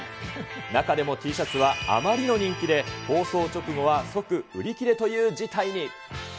中でもＴシャツはあまりの人気で放送直後は即売り切れという事態に。